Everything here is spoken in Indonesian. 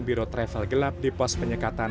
biro travel gelap di pos penyekatan